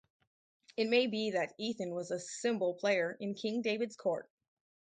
It may be that Ethan was a cymbal-player in King David's court.